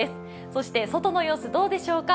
そして外の様子、どうでしょうか。